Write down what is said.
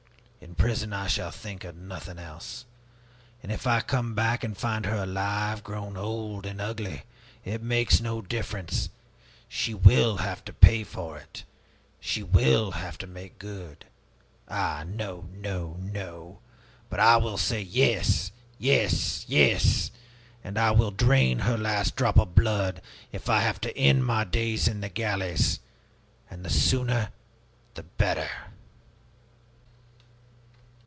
In prison I shall think of nothing else. And if I come back and find her alive grown old and ugly, it makes no difference she will have to pay for it, she will have to make good! Ah, 'no, no, no!' But I will say, 'Yes, yes, yes!' And I will drain her last drop of blood, if I have to end my days in the galleys. And the sooner, the better!"